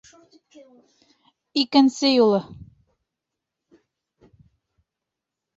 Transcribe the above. — Икенсе юлы!..